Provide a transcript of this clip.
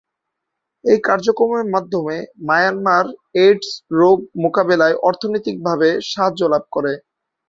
এই কার্যক্রমের মাধ্যমে মায়ানমার এইডস রোগ মোকাবিলায় অর্থনৈতিকভাবে সাহায্য লাভ করে।